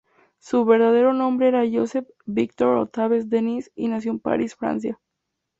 Su verdadero nombre era Joseph-Victor-Octave Denis, y nació en París, Francia.